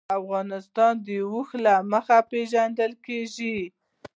افغانستان د اوښ له مخې پېژندل کېږي.